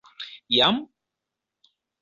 Jam?